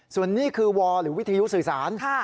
ส่วนนี้คือวอลหรือวิทยุสื่อสาร